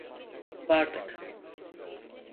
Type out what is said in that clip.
Vardık.